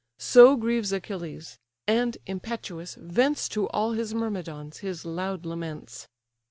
So grieves Achilles; and, impetuous, vents To all his Myrmidons his loud laments.